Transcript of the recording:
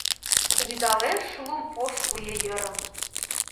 Рÿдалеш лум ош куэ йырым.